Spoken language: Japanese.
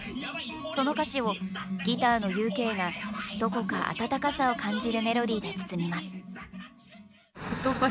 その歌詞をギターのＵＫがどこか温かさを感じるメロディーで包みます